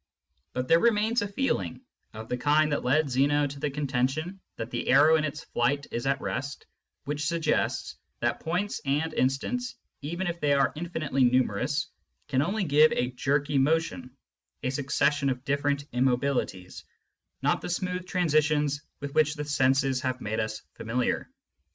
But there remains a feeling— of the kind that led Zeno to the contention that the arrow in its flight is at rest — ^which suggests that points and instants, even if they are infinitely numerous, can only give a jerky motion, a succession of difiFerent immobilities, not the smooth transitions with which the senses have made us familiar.